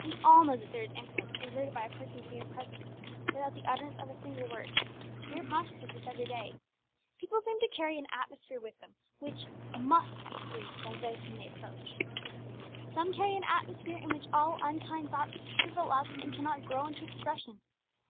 We all know that there is influence exerted by a person's mere presence, without the utterance of a single word. We are conscious of this every day. People seem to carry an atmosphere with them, which must be breathed by those whom they approach. Some carry an atmosphere in which all unkind thoughts shrivel up and cannot grow into expression.